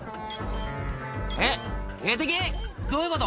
「えっ警笛どういうこと？」